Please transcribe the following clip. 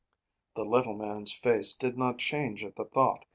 The little man's face did not change at the thought.